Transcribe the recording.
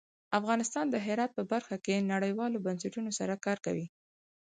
افغانستان د هرات په برخه کې نړیوالو بنسټونو سره کار کوي.